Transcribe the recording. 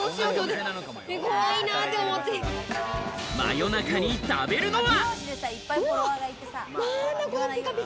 夜中に食べるのは？